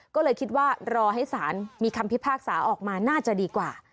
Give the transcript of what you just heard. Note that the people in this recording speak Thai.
ก็เลยคิดว่ารอให้สารมีคำพิพากษาออกมาน่าจะดีกว่า